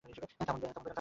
থামুন, ডাইল।